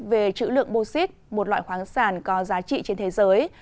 về chữ lượng bosit một loại khoáng sản có giá trị trên thế giới